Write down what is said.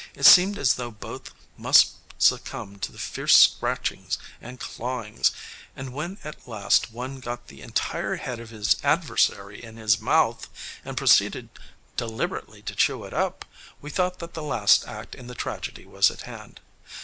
It seemed as though both must succumb to the fierce scratchings and clawings; and when at last one got the entire head of his adversary in his mouth and proceeded deliberately to chew it up, we thought that the last act in the tragedy was at hand.